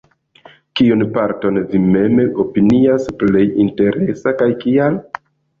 Kiun parton vi mem opinias plej interesa, kaj kial?